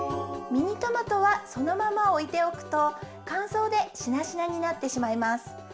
ミニトマトはそのままおいておくとかんそうでしなしなになってしまいます。